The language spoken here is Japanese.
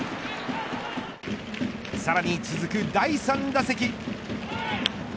さらに続く第３打席。